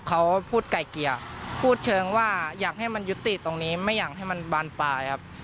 เขาพูดไก่เกลี่ยพูดเชิงว่าอยากให้มันยุติตรงนี้ไม่อยากให้มันบานปลายครับ